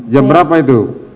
jam berapa itu